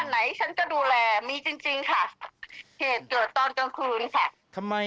บ้านไหนฉันก็ดูแลมีจริงค่ะเหตุเกิดตอนกลางคืนค่ะ